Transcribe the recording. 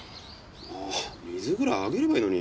あ水ぐらいあげればいいのに。